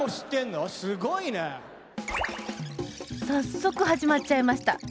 だって早速始まっちゃいました。